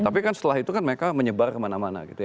tapi kan setelah itu kan mereka menyebar kemana mana gitu ya